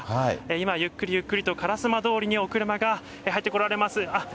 今、ゆっくりゆっくりと、烏丸通にお車が入ってこられます。